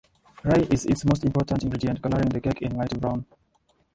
Rye is its most important ingredient, coloring the cake in light brown.